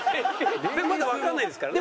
でもまだわかんないですからね。